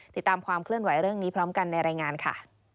ติดตามความเคลื่อนไหวเรื่องนี้พร้อมกันในรายงานค่ะ